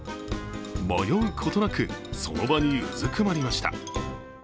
迷うことなく、その場にうずくまりました。